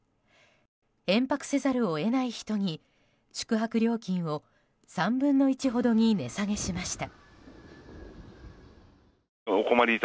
延泊せざるを得ない人に宿泊料金を３分の１ほどに値下げしました。